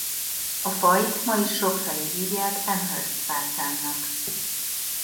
A fajt ma is sokfelé hívják Amherst-fácánnak.